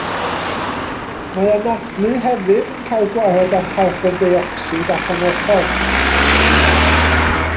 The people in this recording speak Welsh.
Mae anadlu hefyd yn cael gwared â charbon deuocsid allan o'r corff.